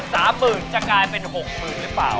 สามหมื่นจะกลายเป็นหกหมื่นหรือเปล่า